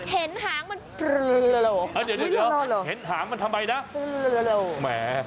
เห็นหางมันเอาเดี๋ยวเห็นหางมันทำไมนะ